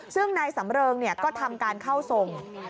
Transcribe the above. ซึ่งนายสำเริงก็ทำการเข้าทรง